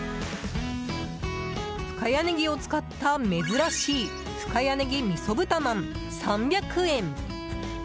深谷ねぎを使った、珍しい深谷ねぎ味噌豚まん、３００円。